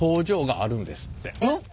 あっ。